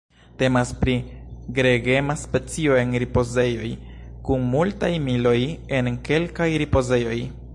Temas pri gregema specio en ripozejoj kun multaj miloj en kelkaj ripozejoj.